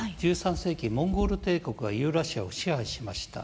１３世紀、モンゴル帝国がユーラシアを支配しました。